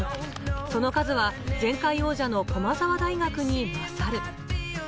その数は前回王者の駒澤大学に勝る。